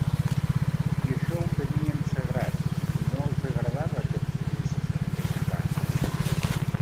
I això ho tenien sagrat, i no els agradava que et posessis en aquests bancs.